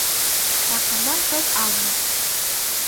Яҡындан ҡыҙ алма.